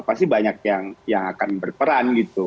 pasti banyak yang akan berperan gitu